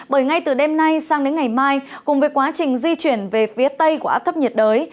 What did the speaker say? bởi ngay từ đêm nay sang đến ngày mai cùng với quá trình di chuyển về phía tây của áp thấp nhiệt đới